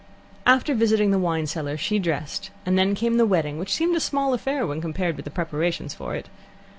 After visiting the wine cellar, she dressed, and then came the wedding, which seemed a small affair when compared with the preparations for it.